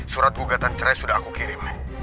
surat gugatan cerai sudah aku kirim